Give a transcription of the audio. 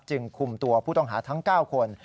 จึงคุมตัวผู้ต้องหาทั้ง๙คน